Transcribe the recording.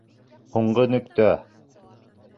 Һуңғы нөктә!